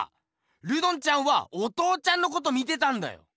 ルドンちゃんはお父ちゃんのこと見てたんだよ！